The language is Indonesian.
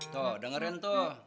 tuh dengerin tuh